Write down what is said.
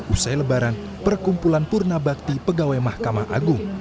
usai lebaran perkumpulan purna bakti pegawai mahkamah agung